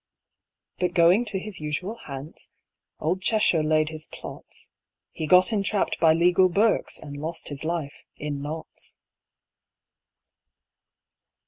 But going to his usual Hants, Old Cheshire laid his plots: He got entrapp'd by legal Berks, And lost his life in Notts.